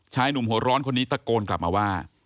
หนุ่มหัวร้อนคนนี้ตะโกนกลับมาว่า